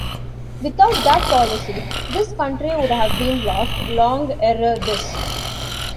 Without that policy, this country would have been lost long ere this.